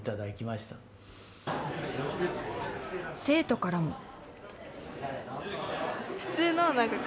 生徒からも。